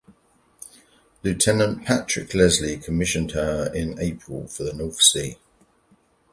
Lieutenant Patrick Leslie commissioned her in April for the North Sea.